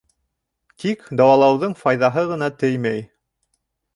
Тик дауалауҙың файҙаһы ғына теймәй.